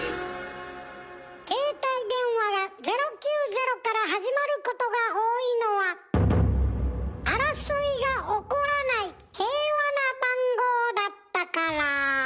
携帯電話が０９０から始まることが多いのは争いが起こらない平和な番号だったから。